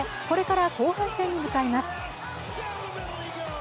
これから後半戦に向かいます。